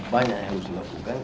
banyak yang harus dilakukan